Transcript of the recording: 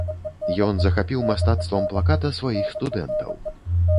Ен захапіў мастацтвам плаката сваіх студэнтаў.